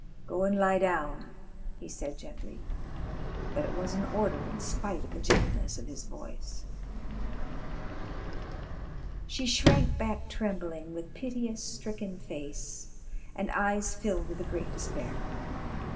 Go and lie down," he said gently, but it was an order in spite of the gentleness of his voice. She shrank back trembling, with piteous, stricken face and eyes filled with a great despair.